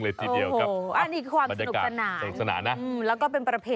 โอ้โฮ